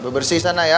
bebersih sana ya